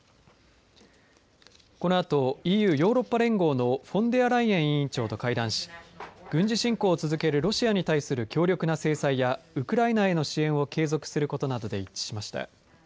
このあとＥＵ、ヨーロッパ連合のフォンデアライエン委員長と会談し軍事侵攻を続けるロシアに対する強力な制裁やウクライナへの支援を継続することなどで一致しました。